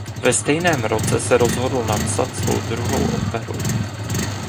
Ve stejném roce se rozhodl napsat svou druhou operu.